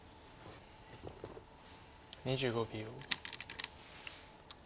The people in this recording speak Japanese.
２５秒。